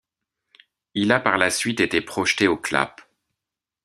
Il a par la suite été projeté au Clap.